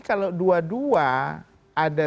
kalau dua dua ada